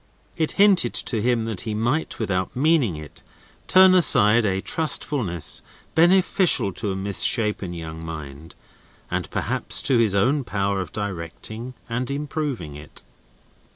It hinted to him that he might, without meaning it, turn aside a trustfulness beneficial to a mis shapen young mind and perhaps to his own power of directing and improving it.